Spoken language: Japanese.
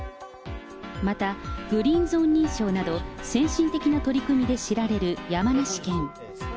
また、グリーン・ゾーン認証など、先進的な取り組みで知られる山梨県。